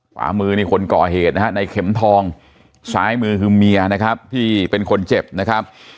ขวามือนี่คนก่อเหตุนะฮะในเข็มทองซ้ายมือคือเมียนะครับที่เป็นคนเจ็บนะครับ